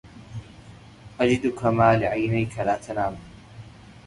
أجدك ما لعينك لا تنام